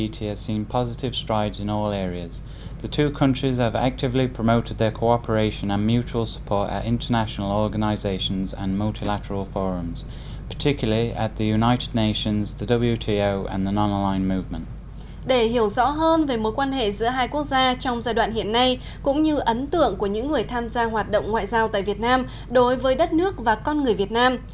để hiểu rõ hơn về mối quan hệ giữa hai quốc gia trong giai đoạn hiện nay cũng như ấn tượng của những người tham gia hoạt động ngoại giao tại việt nam đối với đất nước và con người việt nam